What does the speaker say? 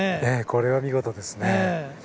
これは見事ですね。